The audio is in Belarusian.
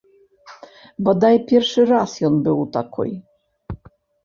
Бадай, першы раз ён быў у такой.